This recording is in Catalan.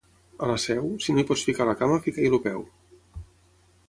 A la seu, si no hi pots ficar la cama, fica-hi el peu.